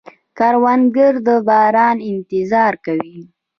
کروندګر د باران انتظار کوي